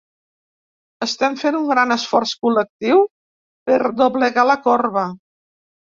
Estem fent un gran esforç col·lectiu per doblegar la corba.